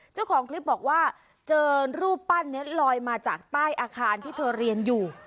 เจ้าของคลิปบอกว่าเจอรูปปั้นนี้ลอยมาจากใต้อาคารที่เธอเรียนอยู่